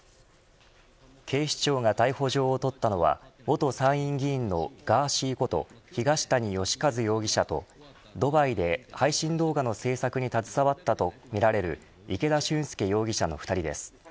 警視庁が逮捕状を取ったのは元参院議員のガーシーこと東谷義和容疑者とドバイで配信動画の制作に携わったとみられる池田俊輔容疑者の２人です。